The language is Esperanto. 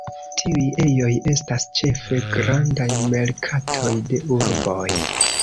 Tiuj ejoj estas ĉefe grandaj merkatoj de urboj.